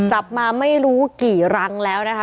จับมาไม่รู้กี่รังแล้วนะคะ